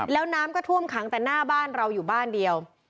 แล้วน้ำก็ท่วมขังแต่หน้าบ้านเราอยู่บ้านเดียว